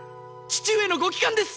父上のご帰還です！